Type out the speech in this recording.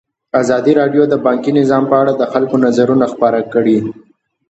ازادي راډیو د بانکي نظام په اړه د خلکو نظرونه خپاره کړي.